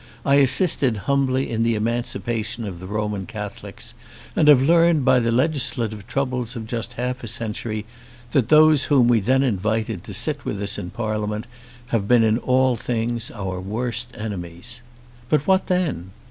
I assisted humbly in the emancipation of the Roman Catholics, and have learned by the legislative troubles of just half a century that those whom we then invited to sit with us in Parliament have been in all things our worst enemies. But what then?